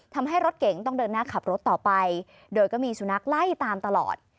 ทำให้รถเก๋งต้องเดินหน้าขับรถต่อไปโดยก็มีสุนัขไล่ตามตลอด